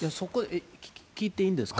聞いていいですか。